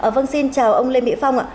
vâng xin chào ông lê mỹ phong ạ